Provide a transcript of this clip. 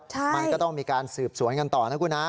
ใช่มันก็ต้องมีการสืบสวนกันต่อนะคุณฮะ